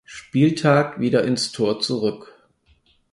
Spieltag wieder ins Tor zurück.